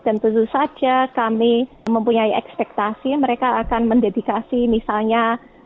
dan tentu saja kami mempunyai ekspektasi mereka akan mendedikasi misalnya